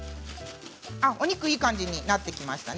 お肉、いい感じになってきましたね。